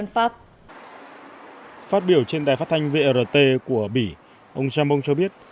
phát biểu trên đài phát thanh vrt của bỉ ông jammon cho biết